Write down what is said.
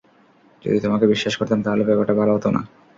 যদি তোমাকে বিশ্বাস করতাম তাহলে ব্যাপারটা ভালো হত না।